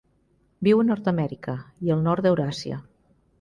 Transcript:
Viu a Nord-amèrica i al nord d'Euràsia.